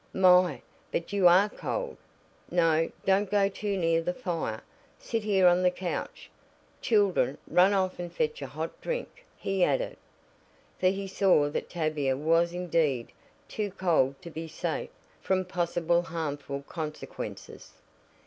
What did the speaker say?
"My, but you are cold! No, don't go too near the fire. Sit here on the couch. Children, run off and fetch a hot drink," he added, for he saw that Tavia was indeed too cold to be safe from possible harmful consequences.